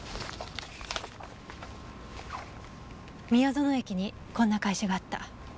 宮園駅にこんな会社があった。